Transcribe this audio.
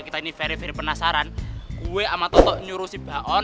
tapi gak suka